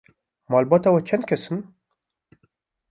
Malbata we çend kes in?